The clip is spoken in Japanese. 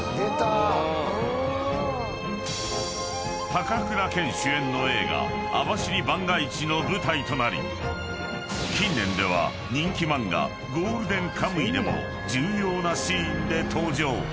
［高倉健主演の映画『網走番外地』の舞台となり近年では人気漫画『ゴールデンカムイ』でも重要なシーンで登場］